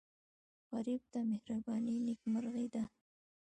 غریب ته مهرباني نیکمرغي ده